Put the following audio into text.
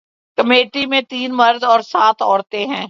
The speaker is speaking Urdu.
کمیٹی میں تین مرد اور سات عورتیں ہیں